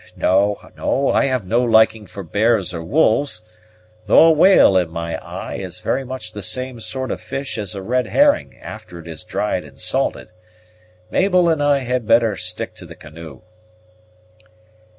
No, no, I have no liking for bears and wolves, though a whale, in my eye, is very much the same sort of fish as a red herring after it is dried and salted. Mabel and I had better stick to the canoe."